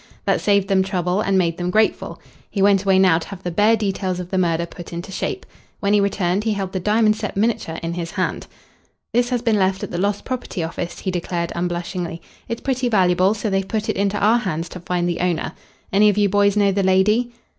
That saved them trouble and made them grateful. He went away now to have the bare details of the murder put into shape. When he returned he held the diamond set miniature in his hand. "This has been left at the Lost Property Office," he declared unblushingly. "It's pretty valuable, so they've put it into our hands to find the owner. Any of you boys know the lady?"